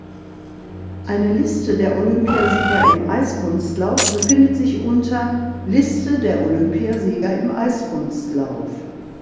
Eine Liste der Olympiasieger im Eiskunstlauf befindet sich unter: Liste der Olympiasieger im Eiskunstlauf.